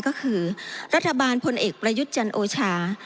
ก็คือรัฐบาลพลเอกประยุทธ์จันโอชา